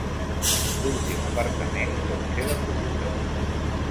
L'últim apartament sol ser de fusta.